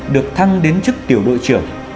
được thăng đến chức tiểu đội trưởng